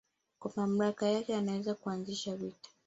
Kwa mamlaka yake anaweza kuanzisha vita